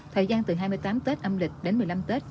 thời gian từ hai mươi tám tết âm lịch đến một mươi năm tết